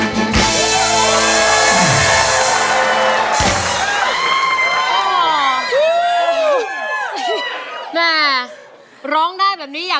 ก็ร้องได้ให้ร้าน